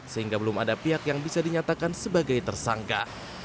sehingga belum ada pihak yang bisa dinyatakan sebagai tersangka